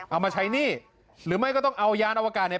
เอามาใช้หนี้หรือไม่ก็ต้องเอายานอวกาศเนี่ย